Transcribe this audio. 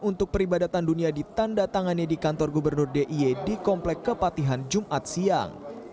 untuk peribadatan dunia ditanda tangannya di kantor gubernur d i e di komplek kepatihan jumat siang